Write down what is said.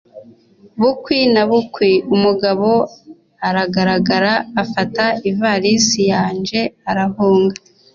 Bukwi na bukwi umugabo aragaragara afata ivarisi yanje arahunga